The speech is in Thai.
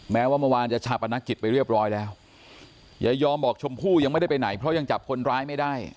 แม้ว่าเมื่อวานจะชาปนกิจไปเรียบร้อยแล้วยายอมบอกชมพู่ยังไม่ได้ไปไหนเพราะยังจับคนร้ายไม่ได้